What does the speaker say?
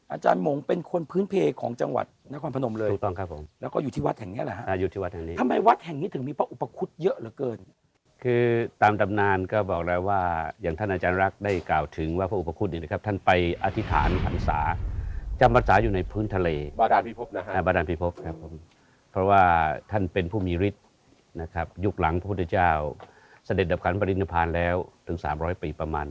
อาจารย์หมงอภัยโสครับสวัสดีครับอาจารย์หมงครับสวัสดีครับอาจารย์ครับสวัสดีครับอาจารย์ครับสวัสดีครับอาจารย์ครับสวัสดีครับอาจารย์ครับสวัสดีครับอาจารย์ครับสวัสดีครับอาจารย์ครับสวัสดีครับอาจารย์ครับสวัสดีครับอาจารย์ครับสวัสดีครับ